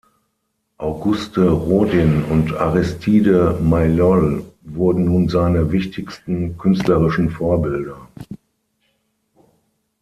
Auguste Rodin und Aristide Maillol wurden nun seine wichtigsten künstlerischen Vorbilder.